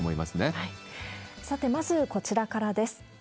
さて、まずこちらからです。